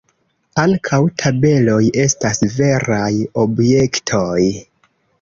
Ankaŭ tabeloj estas veraj objektoj.